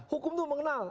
hukum itu mengenal